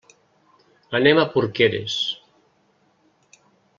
Anem a Porqueres.